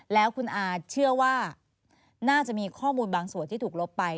แล้วคุณอาเชื่อว่าน่าจะมีข้อมูลบางส่วนที่ถูกลบไป